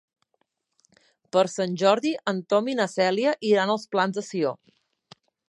Per Sant Jordi en Tom i na Cèlia iran als Plans de Sió.